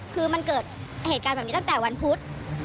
คือมันเกิดเหตุการณ์แบบนี้ตั้งแต่วันพุธ